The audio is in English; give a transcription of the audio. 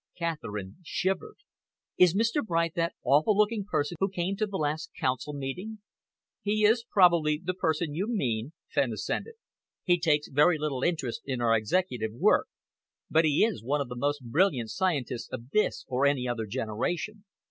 Catherine shivered. "Is Mr. Bright that awful looking person who came to the last Council meeting?" "He is probably the person you mean," Fenn assented. "He takes very little interest in our executive work, but he is one of the most brilliant scientists of this or any other generation.